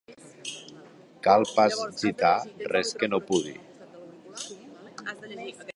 Cal pas gitar res que no pudi.